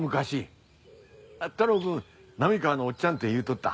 太郎くん「波川のおっちゃん」って言うとった。